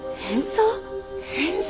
変装？